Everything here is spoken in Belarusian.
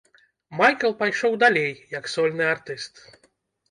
Майкл пайшоў далей як сольны артыст.